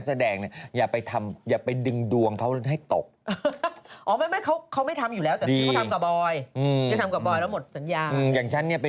ใช่เชื่อว่านะป๊อกเนี่ยป๊อกก็ทำธุรกิจไปเถอะ